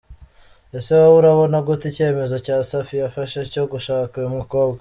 Ese wowe urabona gute icyemezo cya Safi yafashe cyo gushaka uyu mukobwa?.